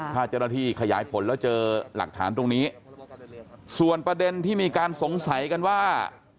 ถ้าเจ้าหน้าที่ขยายผลแล้วเจอหลักฐานตรงนี้ส่วนประเด็นที่มีการสงสัยกันว่า